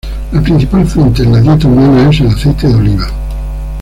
La principal fuente en la dieta humana es el aceite de oliva.